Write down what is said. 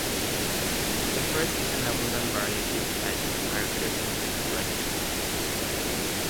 The first is an abundant variety of types of characters in Greek tragedy.